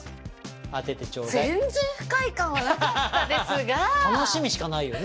当ててちょうだい全然不快感はなかったですが楽しみしかないよね